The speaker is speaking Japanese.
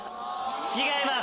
違います！